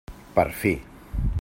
Per fi!